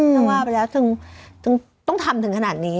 ถ้าว่าไปแล้วถึงต้องทำถึงขนาดนี้